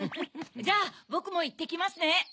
じゃあぼくもいってきますね。